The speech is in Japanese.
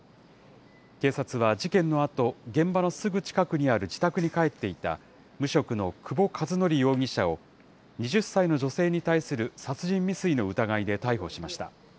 警察は事件のあと、現場のすぐ近くにある自宅に帰っていた、無職の久保一紀容疑者を、２０歳の女性に対する殺人未遂の疑いで逮捕しました。